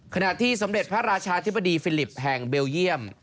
ขณะที่สมเด็จพระราชาธิบดีฟิลิปแห่งเบลเยี่ยม